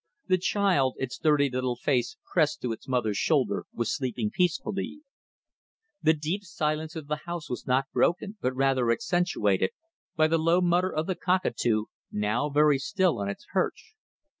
The child, its dirty little face pressed to its mother's shoulder, was sleeping peacefully. The deep silence of the house was not broken, but rather accentuated, by the low mutter of the cockatoo, now very still on its perch.